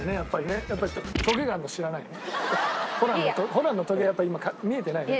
ホランのトゲやっぱり今見えてないね。